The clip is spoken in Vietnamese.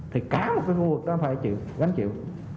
thì cả một phần khu vực đó phải gánh chịu